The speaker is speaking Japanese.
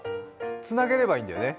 つなげればいいんだよね。